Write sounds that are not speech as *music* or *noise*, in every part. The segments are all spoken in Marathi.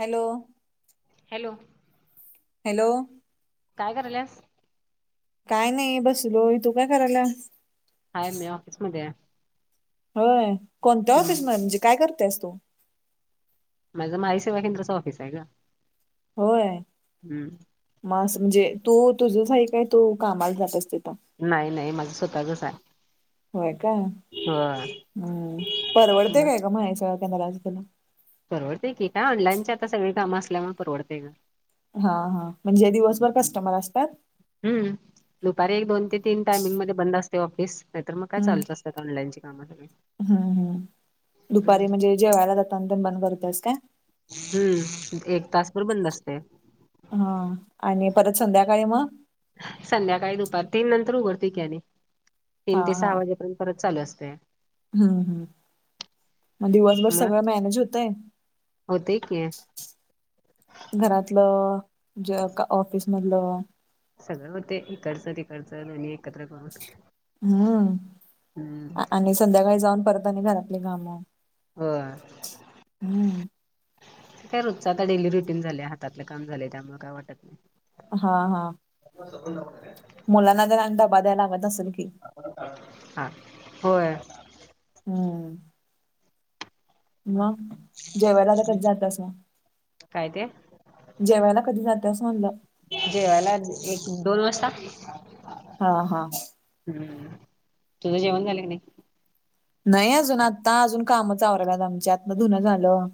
हॅलो. हॅलो. हॅलो. काय करायल्यास? काय नाही बसलोय. तू काय करायल्या? आहे, मी आफीसमध्ये आहे. होय, कोणत्या हम्म ओफिस मध्ये? म्हणजे काय करतेस तू? माझं महा ई सेवा केंद्राचं, ऑफिस आहे गं. होय. म असं म्हणजे तू तुझंच आहे काय? तू कामाला जातेस तिथं? नाही नाही, माझं स्वतःचंच आहे. होय काय? होय हम्, परवडते काय गं महा इ सेवा केंद्राचं तुला? परडतंय की. काय ऑनलाईनचे सगळी कामं, असल्यामुळे परवडतंय गं. हा हा, म्हणजे दिवसभर कस्टमर असतात? हम्, दुपारी एक दोन ते तीन टायमिंग मध्ये, बंद असतय ऑफिस. नाही तर मग काय चालूच असतात, ऑनलाईनची कामं सगळी. हम् हम, दुपारी हम्म म्हणजे जेवायला जाताना तेन बंद करत्यास का? हम्म. एक तासभर बंद असतय. हा आणि परत संध्याकाळी मग संध्याकाळी दुपार तीन नंतर उघडते की आणि, हा तीन ते हा सहा वाजेपर्यंत. परत चालू असतंय. हम्म हम्, मग दिवसभर सगळं मॅनेज होतय? होतंय की. घरातलं ज ऑफिस मधलं? सगळं होतंय, इकडचं तिकडचं दोन्ही एकत्र करून, हम्म हम्. आणि संध्याकाळी जाऊन आणि परत घरातले कामं होय. हम्म काय रोजचं आता डेली रुटीन झालंय, हातातलं काम झालंय. त्यामुळे काय वाटत नाही. हा हा. *unintelligible* मुलांना ज अन तेन डबा द्याय लागत असल की? हा, होय. हम्म. मंग? जेवायला आलं, तर जात असन. काय तेे? जेवायला कधी जातं? असं म्हणलं. जेवायला, एक- दोन वाजता. हा, हा. हम. तुझं जेवण झालं का नाही? नाही अजून आता, अजून कामच आवरलात आमच्या. आतन धुनं झालं.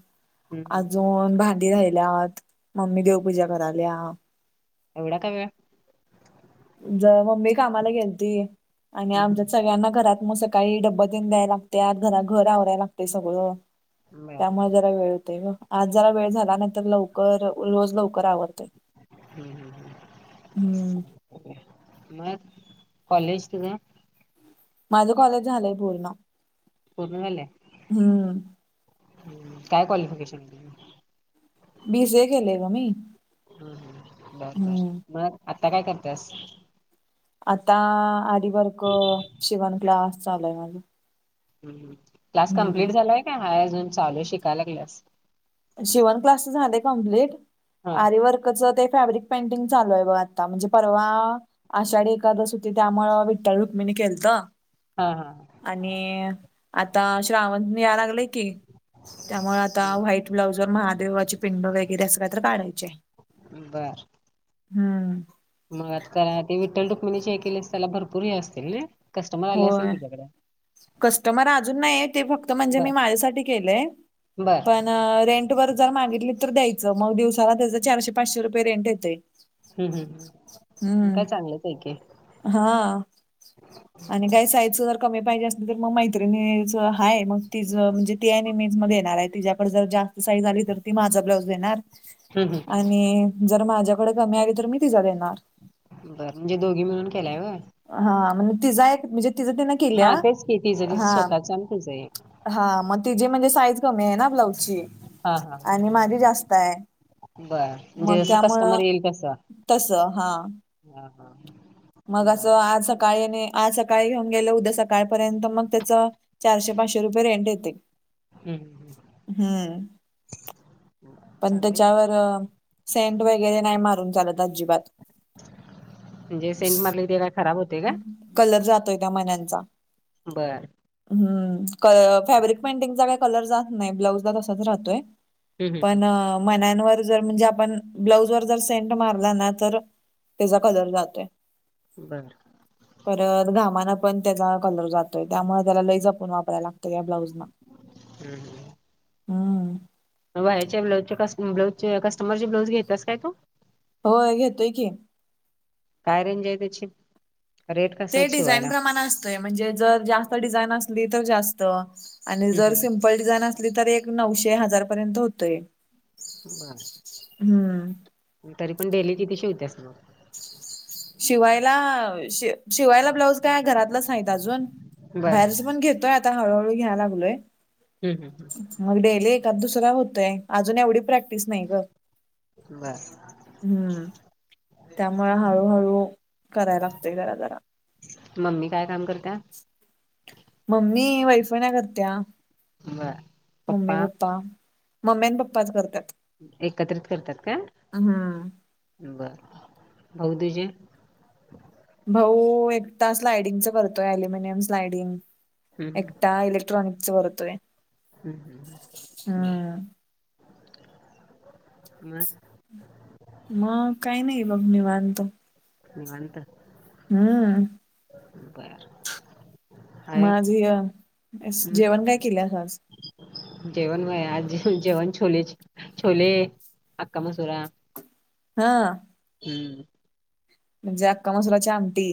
हम्म हम्म अजून, भां डी राहिल्यात. मम्मी, देवपूजा कराल्या. एवढा का वेळ? ज मम्मी कामाला गेलती. आणि हम्म आमच्यात हम्म सगळ्यांना घरात म असं काही डब्ब देन द्याय लागत्यात. घरा, घर आवराय लागंतय सगळं. बर त्यामुळं जरा वेळ होतय गं. आज जरा वेळ झाला. नाही तर लवकर, रोज लवकर आवरंतय. ह्, ह, ह, ह. मग? कॉलेज तुझं? माझं कॉलेज झालंय पूर्ण. पूर्ण झालंय. हम्म हं. काय क्वालिफिकेशनय तुझं? बी सी ए केलंय गं मी. हम्म हम्म बर बर हम्म. मग आता काय करतेस? आता, आरीवर्क, शिवणक्लास. चालूय माझं. हं, हं. क्लास कम्प्लीट हम्म झालाय का? हाय अजून, चालूय. शिकायला लागल्यास. शिवनक्लासचं झालय कंप्लीट. हा आरी वर्क चं ते फॅब्रिक पेंटिंग चालूय बघ आता. म्हणजे परवा आषाढी एखादस होती. त्यामुळं, विठ्ठल- रुक्मीनी केलत. हा, हा, हा. आणि आता श्रावण, निघाया लागलंय की. त्यामुळे आता व्हाईट ब्लाउजवर महादेवाची पिंड वगैरे, असं काय तर काढायचिय. बर हम्म. मग आता का ते विठ्ठल- रुक्मिनीचे हे केलेस, त्याला भरपूर हे असतील, नाय. आले असेल होय तुझ्याकडे. कस्टमर अजून नाहीये. ते फक्त म्हणजे, बर मी माझ्यासाठी केलंय. बर पण अ रेंट वर जर मागितली तर द्यायचं. मग दिवसाला त्याचं, चारशे- पाचशे रुपये रेंट येतय. हम्, हम्, हम्. म काय चांगलंचय की. हा. आणि काही साईजच जर कमी पाहिजे असल, तर मग मैत्रिणीच हाय. मग तीजं म्हणजे ती आणि मी मेज मध्ये येणारायत. तिच्याकड जर जास्त साईज आली तर, ती माझ ब्लाउज देणार हम्म हम्म आणि जर माझ्याकडे कमी आली, तर मी तिजा देणार. बर. म्हणजे दोघी मिळून केलाय होय? हा, म्हणजे तिजा एक, म्हणजे तिजा तिनं हा. तेच की. तिझं- तिज स्वतःच. आणि तुझं एक. हा, मग तिजी म्हणजे साईज कमीय ना, ब्लाऊजची. हा हा हा आणि माझी जास्ताय. बर मग म्हणजे जसं त्यामुळं, कस्टमर येईल तसं तसं. हा. हा, हा. मग बर असं, आज सकाळी आणि आज सकाळी घेऊन गेलं. उद्या सकाळपर्यंत मग त्याचं चारशे- पाचशे रुपये रेंट येतंय. हम्म हम्म हम्म. पण चांगलंय त्याच्यावर सेंट वगैरे, नाही मारून चालत अजिबात. म्हणजे सेंट मारल की ते काय खराब होतय काय? कलर जातोय त्या मण्यांचा. बरं हम्म क-फॅब्रिक पेंटिंगचा काही कलर जात नाही ब्लाऊजला तसाच राहतोय. हम्म हम्म पणं मण्यांन वर जर म्हणजे आपण ब्लाऊज वर जर सेंट मारला ना तर तेजा कलर जातोय. बरं परत घामानं पण त्याचा कलर जातोय त्यामुळं त्याला लई जपून वापरायला लागतं या ब्लाऊजला. हम्म हम हम्म बाहेरचे ब्लाउजचे कस् ब्लाउजचे कस्टमरचे ब्लाउज घेत्यास काय तू? होय घेतोय की. काय रेंज आहे त्याची? रेट कसे ते आहेत डिझाईन शिवायला प्रमाण असतय म्हणजे जर जास्त डिझाईन असली तर जास्त आणि हं जर हं सिंप -पल डिझाईन असली तर एक नऊशे, हजार पर्यंत होतंय. बर, तरी पण डेली किती शिवत्यास मग? शिवायला शि-शिवायला ब्लाऊज काय घरातलंच आहेत अजून. बर बाहेरचं पण घेतोय आता हळूहळू घ्याय लागलोय. हम्म हम्म मग डेली एखादं दूसरा होतंय, अजून एवढी प्रॅक्टि -टीस नाही गं, बर हम्म त्यामुळे हळूह हळू करायला लागतय जरा जरा. मम्मी काय काम करत्या? *unintelligible* मम्मी वैफन्या करत्या मम्मी, पप्पा. मम्मी आणि पप्पाच करत्यात. एकत्रित करत्यात काय बरं, भाऊ तुजे? भाऊ एकटा स्लायडिंगच करतोय अल्युमिनियम स्लायडिंग. हं एकटा इलेक्ट्रानिक्सच करतोय. हम्म हम्म हम बरं मग मग काही नाही बघ निवांत. निवांत हम्म बर बर मग हाय आज ह्या असं जेवण काय केल्यास आज? जेवण होय, आज जेवण छोले- छोले, अक्का मसुरा हा हम्म म्हणजे अक्का मसुराची आमटी.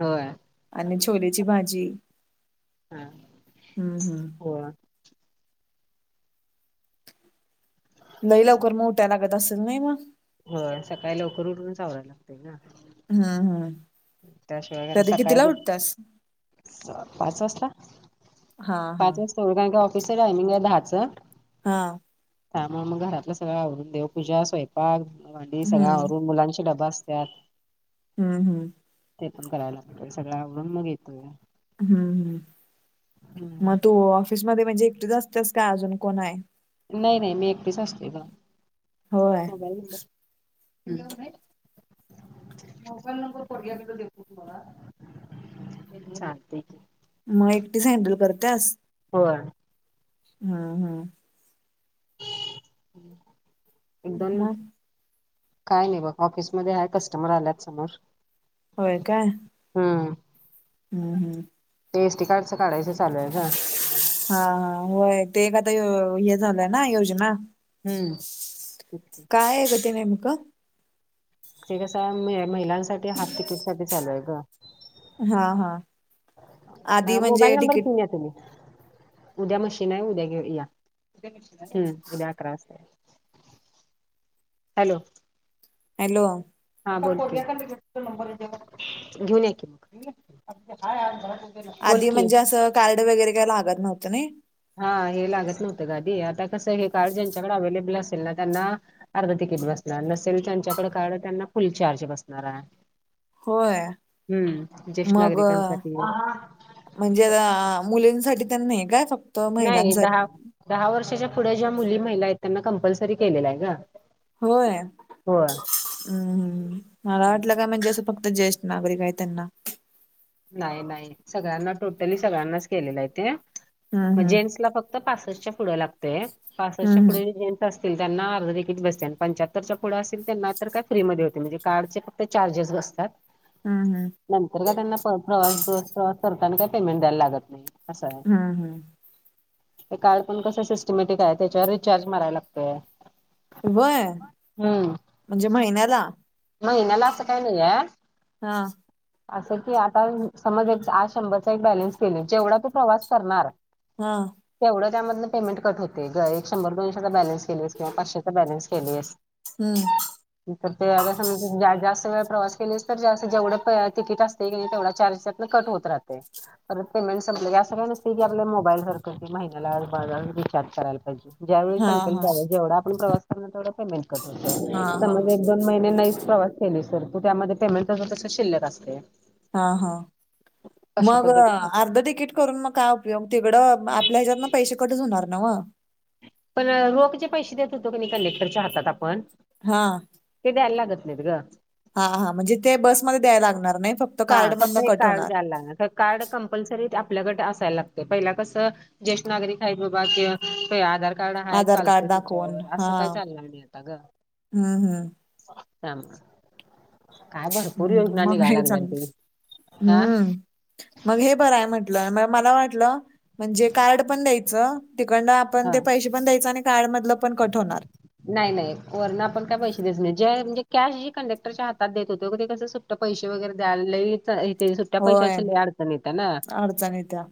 होय आणि छोलेची भाजी. हा हम्म हम्म होय लई लवकर म उठाय लागत असल नाही मग? होय सकाळी लवकर उठूनच आवरायला लागतय ना. हम्म हम त्याशिवाय *unintelligible* सकाळी बु पाच वाजता पाच वाजता. हा हा *unintelligible* ऑफिसचं टायमिंगाय दहाचं. हा. त्यामुळ मग घरातलं सगळं आवरून देवपूजा, स्वयंपाक, भांडी सगळं हम्म आवरून मुलांची डबा असतात त्यात हम्म हम्. ते पन कराय लागतोय सगळं आवरून मग येतोय. हम्म हम्म. हम्म. मग तू ऑफिसमध्ये म्हणजे एकटीच असत्यास काय अजून कोण हाय? नाही नाही मी एकटीच असतोय गं‌. होय. *unintelligible* मोबाईल नंबर पोरग्याकडनं देतो तुम्हाला. चालतय की. मग एकटीच हँडल करत्यास. होय. हम्म हम्म. एक दोन मिंट मग काय नाही बघ ऑफिसमध्ये हाय कस्टमर आल्यात समोर. होय काय. हम्म. हम्म हम्म. ते एस टी कार्ड च काढायचं चालूय गं. हा हा होय ते एक आता यो हे झालंय ना योजना. हम्म. काय आहे गं ते नेमक? ते कसय मे महिलांसाठी हाफ तिकीट साठी चालूय गं. हा हा. आधी मोबाईल म्हणजे नंबर तिकीट घेऊन या तुम्ही. उद्या मशीनय उद्या घेऊ या हम उद्या अकरा वाजता. हॅलो. हॅलो. हा बोला कि, घेऊन या की. बोल आधी की म्हणजे असं कार्ड वगैरे काय कायला लागत नव्हतं नाइं. हा हे लागत नव्हतं गं आदी, आता कसं हे कार्ड ज्यांच्याकडे अवेलेबल असेल ना त्यांना अर्ध तिकीट बसणार नसेल त्यांच्याकडे कार्ड त्यांना फुल चार्ज बसणार आहे. होय हम्म ज्येष्ठ मग नागरिकांसाठी म्हणजे अ, मुलींसाठी तेन नाही काय फक्त नाही, महिलांसाठी धा- धा वर्षाच्या पुढे ज्या मुली, महिला आहेत त्यांना कंपल्सरी केलेलं आहे गं. होय हम्म -हम्म मला वाटलं का म्हणजे जसं फक्त ते ज्येष्ठ नागरिक आहे त्यांना. नाही -नाही सगळ्यांना टोटली सगळ्यांनाच केलेलं आहे ते मग हम्म जेंट्सला फक् क्त पासष्टच्या पुढ लागतय, पासष्टच्या हम्म पुढे जेन असतील त्यांना अर्ध तिकिट बसतय आणि पंच्याहत्तरच्या पुढं असतील त्यांना तर काय फ्रीमध्ये होतय म्हणजे कार्डचे ते चार्जेस बसतात. हा ना. नंतर काय त्यांना प्र प्रवास बस प्रवास करताना काय पेमेंट द्यायला लागत नाही असय. हम्म हम्म हम्म हे कार्ड पण कसं सिस्टमॅटिक आहे त्याच्यावर रिचार्ज मारायला लागतय. व्हय, म्हणजे महिन्याला? महिन्याला असं काही नाहीये. हा. ह *inaudible* असं की आता समज एक आज शंभरचा एक बॅलन्स केलोय, जेवढा तू प्रवास करणार हा. तेवढं त्यामधल पेमेंट कट होतय ग एक शंभर दोनशेचा बॅलन्स केलीयेस किंवा पाचशेचा बॅलेन्स केलीयेस. हम्म. म प्रत्येकाला समज तू जा जास्त वेळ प्रवास केलीस तर जास्त जेवढ तिकीट असतय की नाय तेवढा चार्जेस त्यातंन कट होत राहतय. परत पेमेंट संपलं की असं काही नसतय की आपल्या मोबाईल सारख की महिन्याला ब अह रिचार्ज करायला पाहिजे. ज्यावेळी हा संपेल हा त्यावेळी जेवढा आपण प्रवास करणार तेवढा पेमेंट कट होतोय. हा हा समज एक दोन महिने नाही प्रवास केलीस तर तू त्यामध्ये पेमेंट तस तसं शिल्लक असतय. हा हा मग पद्धतीत अर्ध तिकीट करून मग काय उप योग, तिकडं आपल्या हेच्यातन पैशे कटच होणार नव्ह. पण रोख जे पैशे देत होतो का नाय कन्डेंक्टरच्या हातात आपण हा. ते द्यायला लागत नाही ग. हा हा म्हणजे ते बसमध्ये द्यायला लागणार नाही फक् हा फक्त हे कार्ड द्यायला लागणार तर कार्ड कंपल्सरी आपल्याकडे असायला लागत. पहिला कसं ज्येष्ठ नागरिक हाय बाबा ते ते आधार कार्ड हाय आधार चालतय कार्ड दाखवून त्याच्यावर हा असं काय चालणार नाही आता ग. हम्म हम्म थांब, काय भरपूर योजना हम्म मग हे चांग निघालागल्यात. हम्म. मग हे बराय म्हटलं म मला वाटलं म्हणजे कार्ड पण द्यायचं तिकडन आपण हा ते पैशे पण द्यायच आणि कार्ड मधलं पण कट होणार. नाही नाही वरन आपण काय पैशे द्यायच नाही जे म्हणजे कॅश जी कंडक्टरच्या हातात देत होतो ते कस सु ट्ट पैशे वगैरे द्याय लय इथे सुट्टया होय पैशाची लय अडचण येत्या ना. अडचण येत्या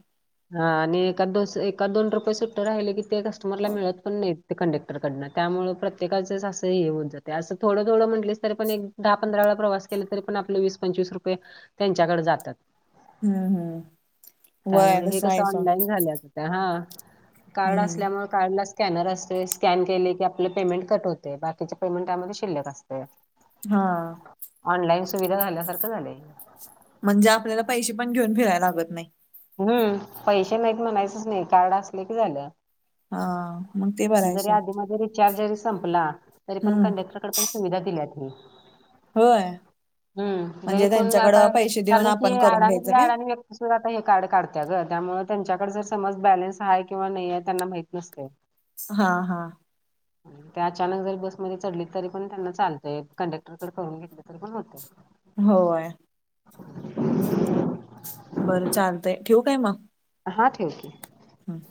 हा आणि एखाद दोन एखाद दोन रुपये सुट्ट राहिल की ते कस्टमरला मिळत पण नाहीत ते कंडेक्टरकडनं त्यामुळ प्रत्येकाच हे असं होत जातय, असं थोडं थोडं म्हटलीस तरी पण एक दहा पंधरा वेळा प्रवास केल तरी पण आपल वीस पंचवीस रुपये त्यांच्याकडे जातात. हम्म हम्म व्हय त्यामुळे हे तसं कसं आहेच ऑनलाईन झाल्यात. हां कार्ड हम्म असल्यामुळे कार्डला स्कॅनर अस तय, स्कॅन केल की आपलं पेमेंट कट होतय बाकीचे पेमेंट यामध्ये शिल्लक असतय. हा. ऑनलाईन सुविधा झाल्यासारखं झालंय. म्हणजे आपल्याला पैशे पण घेऊन फिरायला लागत नाही. हम्म पैसे नाहीत म्हणायचच नाही कार्ड असले की झालं. हा मग ते बर आहे जरी सोड आधी मधी रिचार्ज जरी संपला तरी पण हम्म कंडक्टरकड पण सुविधा दिल्या ती होय हम्म, जरी म्हणजे कोण त्यांच्याकडं जाताय पैसे देऊन कारण की आपण करून घ्यायचं अडाणीतल्या काय अडाणी व्यक् *unintelligible* कार्ड काडत्या गं, त्यामुळं त्यांच्याच समज बॅलेन्स हाय किंवा न्हीये, त्यांना माहीत नसतंय. हा हा ह ते अचानक जरी बसमध्ये चढलीत, तरीपण त्यांना चालतंय, कंडक्टरकड करून घेतलं तरी पण होतंय. होय *unintelligible* बरं, चालतंय ठेऊ काय म? हा ठेव की. हं